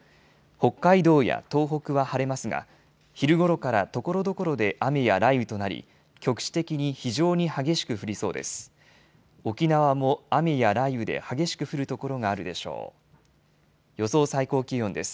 北海道や東北は晴れますが昼ごろからところどころで雨や雷雨となり局地的に非常に激しく降りそうです。